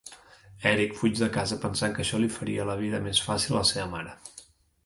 Erik fuig de casa pensant que això li faria la vida més fàcil a la seva mare.